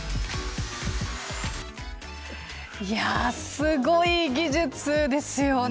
すごい技術ですよね。